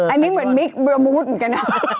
อันนี้เหมือนมิคเบลมูธเหมือนกันนะ